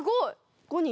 ５人？